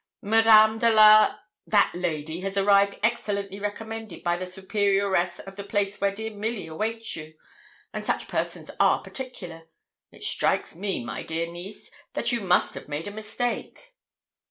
Madame de la that lady has arrived excellently recommended by the superioress of the place where dear Milly awaits you, and such persons are particular. It strikes me, my dear niece, that you must have made a mistake.'